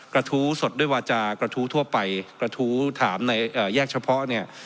กระทู้สดด้วยวาจากกระทู้ทั่วไปกระทู้ถามในแยกเฉพาะเนี่ย